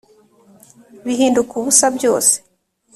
bihinduka ubusa byose